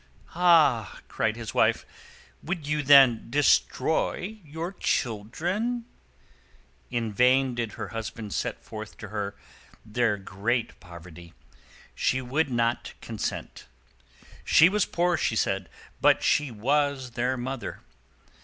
"Ah!" cried his Wife, "would you then destroy your children?" In vain did her husband set forth to her their great poverty: she would not consent. She was poor, she said. But she was their mother.